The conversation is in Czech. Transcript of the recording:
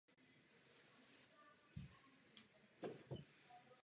Snímek byl také za Českou republiku nominován na Oscara.